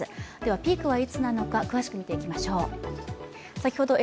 ピークはいつなのか詳しく見ていきましょう。